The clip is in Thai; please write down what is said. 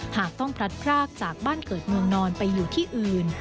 หากต้องพลัดพรากจากบ้านเกิดเมืองนอนไปอยู่ที่อื่น